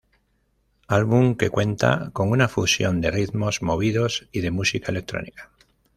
Álbum que cuenta con una fusión de ritmos movidos y de música electrónica.